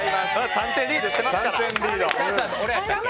３点リードしてますから。